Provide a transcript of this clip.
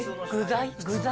具材？